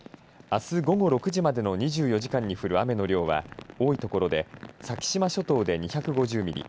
あす午後６時までの２４時間に降る雨の量は多い所で先島諸島で２５０ミリ